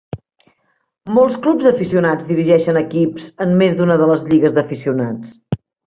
Molts clubs d'aficionats dirigeixen equips en més d'una de les lligues d'aficionats.